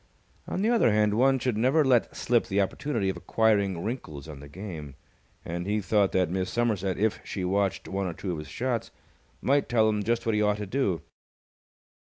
On the other hand, one should never let slip the opportunity of acquiring wrinkles on the game, and he thought that Miss Somerset, if she watched one or two of his shots, might tell him just what he ought to do.